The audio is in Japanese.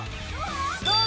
どう！？